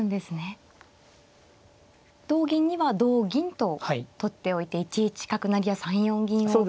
同銀には同銀と取っておいて１一角成や３四銀を。